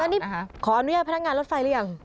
อันนี้ขออนุญาตพนักงานรถไฟหรือยัง